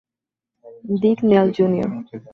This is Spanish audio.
Dick Neal, Jr.